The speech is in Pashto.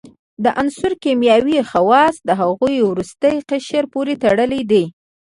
د عناصرو کیمیاوي خواص د هغوي وروستي قشر پورې تړلی دی.